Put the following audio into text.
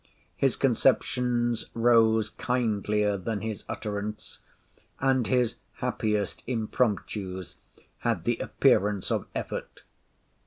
His conceptions rose kindlier than his utterance, and his happiest impromptus had the appearance of effort.